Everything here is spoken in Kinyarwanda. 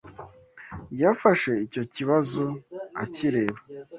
Yafashe icyo kibazo akireba